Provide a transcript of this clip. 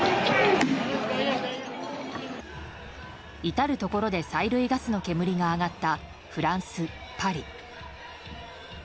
至るところで催涙ガスの煙が上がったフランス・パリ。